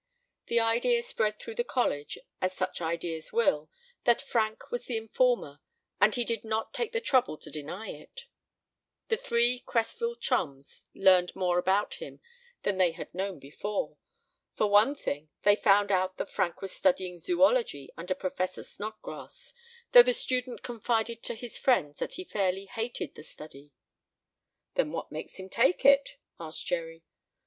The idea spread through the college, as such ideas will, that Frank was the informer, and he did not take the trouble to deny it. The three Cresville chums learned more about him than they had known before. For one thing, they found out that Frank was studying zoology under Professor Snodgrass, though the student confided to his friends that he fairly hated the study. "Then what makes him take it?" asked Jerry.